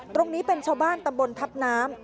ตรงนี้เป็นชาวบ้านตำบลทัพน้ำ